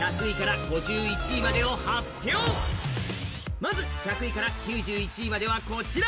まず１００位から９１位まではこちら。